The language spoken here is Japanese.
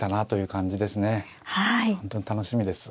本当に楽しみです。